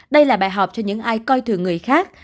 đây là bài học cho những ai coi thường người khác